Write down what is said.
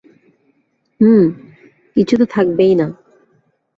হুম, কিছু তো থাকবেই না।